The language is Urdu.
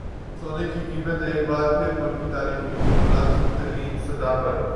سونے کی قیمت ایک بار پھر ملکی تاریخ کی بلند ترین سطح پر